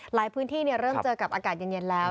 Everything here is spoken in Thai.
หลายพื้นที่เริ่มเจอกับอากาศเย็นแล้ว